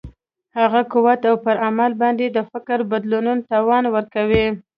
هغه قوت او پر عمل باندې د فکر بدلولو توان ورکوي.